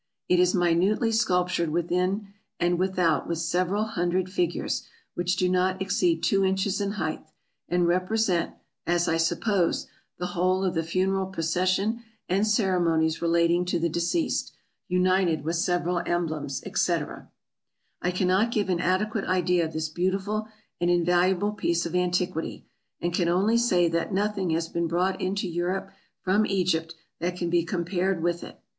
It is minutely sculptured within rnd without with several hundred figures, which do not ex ceed two inches in height, and represent, as I suppose, the whole of the funeral procession and ceremonies relating to the deceased, united with several emblems, etc. I cannot give an adequate idea of this beautiful and in valuable piece of antiquity, and can only say that nothing has been brought into Europe from Egypt that can be com pared with it.